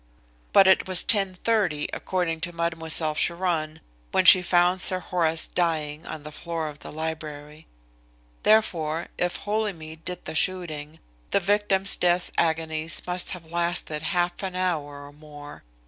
But it was 10.30 according to Mademoiselle Chiron when she found Sir Horace dying on the floor of the library. Therefore if Holymead did the shooting, the victim's death agonies must have lasted half an hour or more.